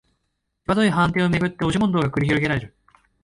きわどい判定をめぐって押し問答が繰り広げられる